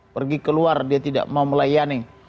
pergi keluar dia tidak mau melayani